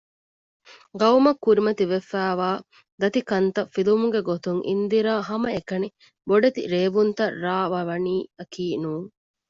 ޤައުމަށް ކުރިމަތިވެފައިވާ ދަތިކަންތައް ފިލުއްވުމުގެ ގޮތުން އިންދިރާ ހަމައެކަނި ބޮޑެތި ރޭއްވެވުންތައް ރާއްވަވަނީއަކީ ނޫން